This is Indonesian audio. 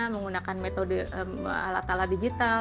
menggunakan metode alat alat digital